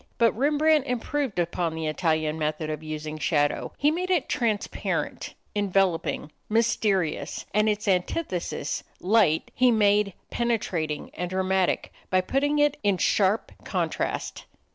But Rembrandt improved upon the Italian method of using shadow. He made it transparent, enveloping, mysterious. And its antithesis, light, he made penetrating and dramatic by putting it in sharp contrast.